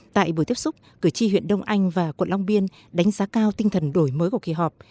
tại buổi tiếp xúc cử tri huyện đông anh và quận long biên đánh giá cao tinh thần đổi mới của kỳ họp